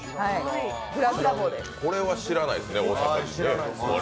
これは知らないですね、大阪人ね。